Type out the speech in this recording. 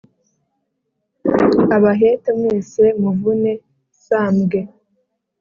Abahete mwese muvune sambwe